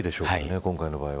今回の場合は。